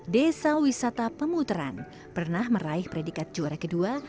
desa wisata pemuteran pernah meraih predikat juara kedua